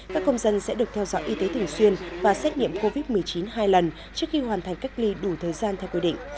các công dân sẽ được theo dõi y tế thường xuyên và xét nghiệm covid một mươi chín hai lần trước khi hoàn thành cách ly đủ thời gian theo quy định